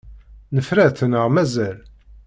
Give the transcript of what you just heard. Nefra-tt neɣ mazal?